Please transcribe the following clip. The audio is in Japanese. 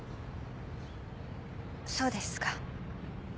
そうですか。